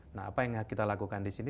nah apa yang kita lakukan disini